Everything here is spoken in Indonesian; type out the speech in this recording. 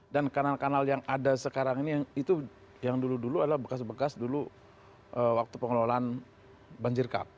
dan kanal kanal yang ada sekarang ini itu yang dulu dulu adalah bekas bekas dulu waktu pengelolaan banjir kap